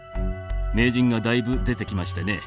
名人がだいぶ出てきましてね。